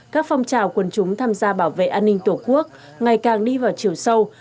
các phong trào quân chúng tham gia bảo vệ an ninh tổ quốc ngày càng đi vào chiều sâu